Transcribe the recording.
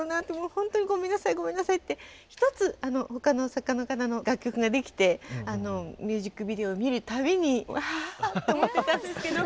本当にごめんなさいごめんなさいって一つ他の作家の方の楽曲ができてミュージックビデオを見るたびにああって思ってたんですけど。